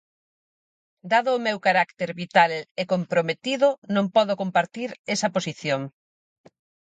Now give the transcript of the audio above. Dado o meu carácter vital e comprometido non podo compartir esa posición.